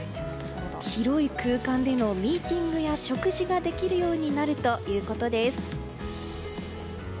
広い空間でのミーティングや食事ができるようになるということです。